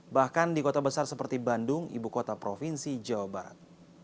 bahkan di kota besar seperti bandung ibu kota provinsi jawa barat